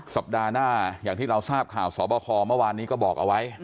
สัปดาห์หน้าอย่างที่เราทราบข่าวสบคเมื่อวานนี้ก็บอกเอาไว้